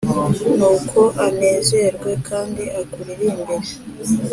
Nuko anezerwe kandi akuririmbire